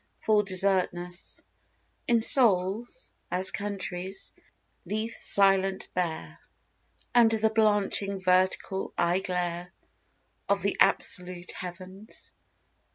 Full desertness In souls, as countries, lieth silent bare Under the blanching, vertical eye glare Of the absolute Heavens.